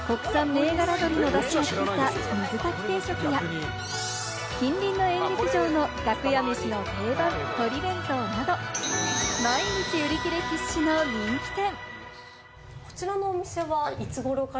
国産銘柄鶏のだしがきいた水炊き定食や近隣の演劇場の楽屋飯の定番・鶏弁当など、毎日売り切れ必至の人気店。